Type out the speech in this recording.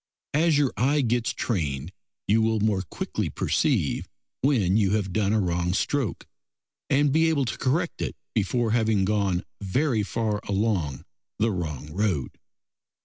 As your eye gets trained you will more quickly perceive when you have done a wrong stroke, and be able to correct it before having gone very far along the wrong road.